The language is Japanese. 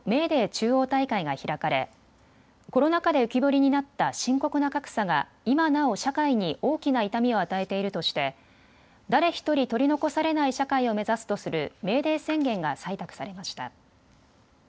中央大会が開かれコロナ禍で浮き彫りになった深刻な格差が今なお社会に大きな痛みを与えているとして誰ひとり取り残されない社会を目指すとするメーデー宣言が採択されました。